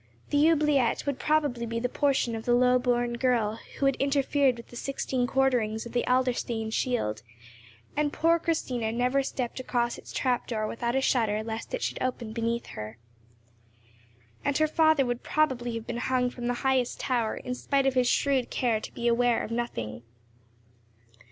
The oubliette would probably be the portion of the low born girl who had interfered with the sixteen quarterings of the Adlerstein shield, and poor Christina never stepped across its trap door without a shudder lest it should open beneath her. And her father would probably have been hung from the highest tower, in spite of his shrewd care to be aware of nothing.